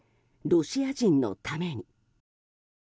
「ロシアのために」。